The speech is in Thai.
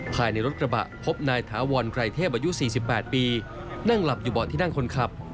ภายในรถกระบะพบนายถาวรไกรเทพอายุ๔๘ปีนั่งหลับอยู่เบาะที่นั่งคนขับ